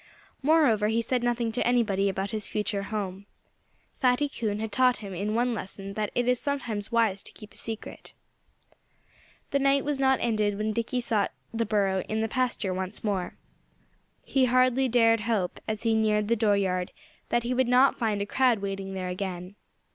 Moreover he said nothing to anybody about his future home. Fatty Coon had taught him in one lesson that it is sometimes wise to keep a secret. The night was not ended when Dickie sought the burrow in the pasture once more. He hardly dared hope, as he neared the dooryard, that he would not find a crowd waiting there again.